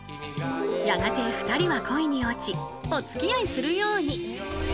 やがて２人は恋に落ちおつきあいするように。